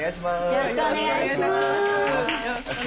よろしくお願いします！